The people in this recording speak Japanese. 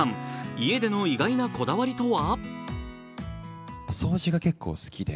家での意外なこだわりとは？